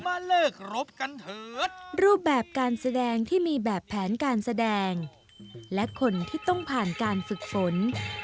มาเลิกรบกันเถิดรูปแบบการแสดงที่มีแบบแผนการแสดงและคนที่ต้องผ่านการฝึกฝน